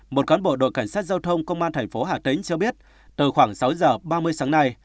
một cán bộ đội cảnh sát giao thông công an thành phố hà tĩnh cho biết từ khoảng sáu giờ ba mươi sáng nay